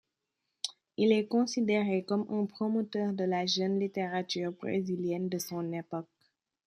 Il est considéré comme un promoteur de la jeune littérature brésilienne de son époque.